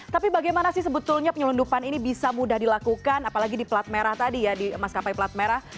tapi bagaimana sih sebetulnya penyelundupan ini bisa mudah dilakukan apalagi di plat merah tadi ya di maskapai plat merah